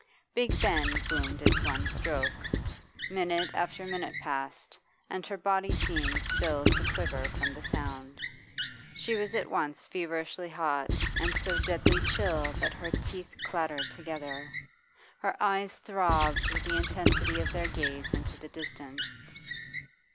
Big Ben boomed its one stroke. Minute after minute passed, and her body seemed still to quiver from the sound. She was at once feverishly hot and so deadly chill that her teeth clattered together; her eyes throbbed with the intensity of their gaze into the distance.